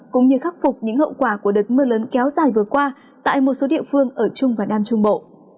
cũng như khắc phục những hậu quả của đợt mưa lớn kéo dài vừa qua tại một số địa phương ở trung và nam trung bộ